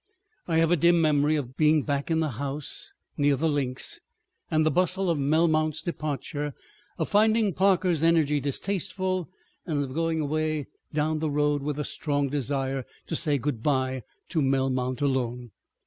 I have a dim memory of being back in the house near the Links and the bustle of Melmount's departure, of finding Parker's energy distasteful, and of going away down the road with a strong desire to say good bye to Melmount alone.